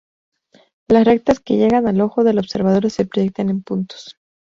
Las rectas que llegan al ojo del observador se proyectan en puntos.